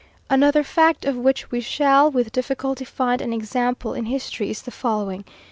"Another fact, of which we shall with difficulty find an example in history, is the following.